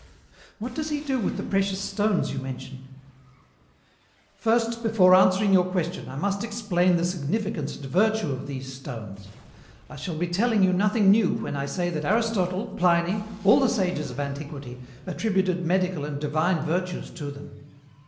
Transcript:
"What does he do with the precious stones you mentioned?" "First, before answering your question, I must explain the significance and virtue of these stones. I shall be telling you nothing new when I say that Aristotle, Pliny, all the sages of antiquity, attributed medical and divine virtues to them.